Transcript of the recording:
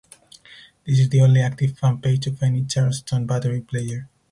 This is the only active fan page of any Charleston Battery player.